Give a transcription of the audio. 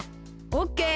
オッケー！